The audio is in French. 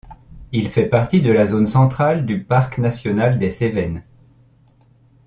Il fait partie de la zone centrale du parc national des Cévennes.